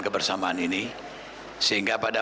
kebersamaan ini sehingga pada